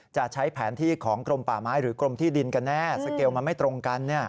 จะใช้แผนที่ของกรมป่าไม้หรือกรมที่ดินกันแน่สเกลมันไม่ตรงกัน